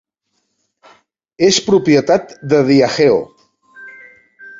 És propietat de Diageo.